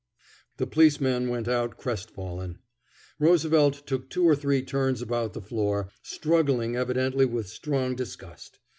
The policeman went out crestfallen. Roosevelt took two or three turns about the floor, struggling evidently with strong disgust.